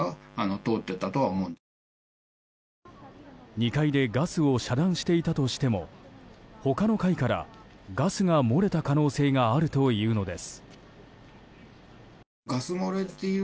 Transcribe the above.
２階でガスを遮断していたとしても他の階からガスが漏れた可能性があるというのです。